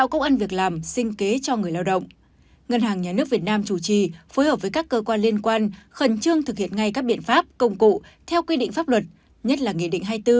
các cơ quan liên quan khẩn trương thực hiện ngay các biện pháp công cụ theo quy định pháp luật nhất là nghị định hai mươi bốn